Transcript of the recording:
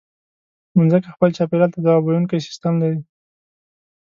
مځکه خپل چاپېریال ته ځواب ویونکی سیستم لري.